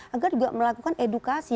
agar juga melakukan edukasi